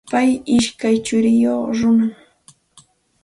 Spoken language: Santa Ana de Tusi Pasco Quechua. Payqa ishkay churiyuq runam.